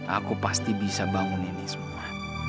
aku pasti bisa bangun ini semua